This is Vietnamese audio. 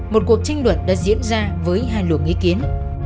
một cuộc tranh luận đã diễn ra với hai luồng ý kiến